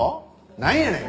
なんやねん！